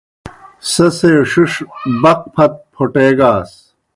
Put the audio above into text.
سہ سے ݜِݜ بَق پَھت پھوٹیگاس۔